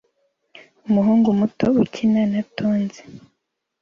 Umuhungu muto ukina na tonzi